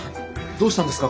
どうしたんですか？